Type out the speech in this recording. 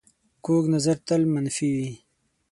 کوږ نظر تل منفي وي